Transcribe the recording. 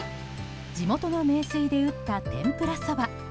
地元の名水で打った天ぷらそば。